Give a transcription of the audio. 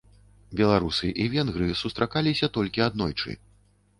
Беларусы і венгры сустракаліся толькі аднойчы.